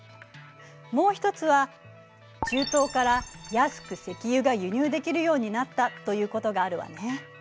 もう一つは中東から安く石油が輸入できるようになったということがあるわね。